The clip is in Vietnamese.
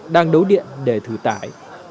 đang đấu điện để thử tải